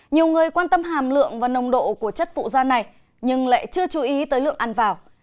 nhiều người quan tâm hàm lượng và nồng độ của chất phụ da này nhưng lại chưa chú ý tới lượng ăn vào